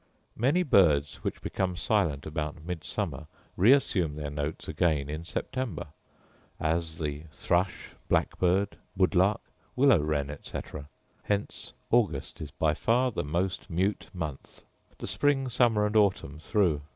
Many birds which become silent about Midsummer reassume their notes again in September; as the thrush, blackbird, woodlark, willow wren, etc.; hence August is by much the most mute month, the spring, summer, and autumn through.